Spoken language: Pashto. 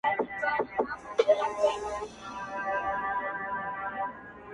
کور پاته سی ځان کورنی او ټولنه مو وژغوری--!